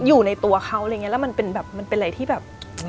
อยู่ในตัวเขาอะไรอย่างนี้แล้วมันเป็นแบบมันเป็นอะไรที่แบบ